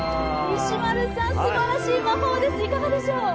石丸さん、すばらしい魔法です、いかがでしょう？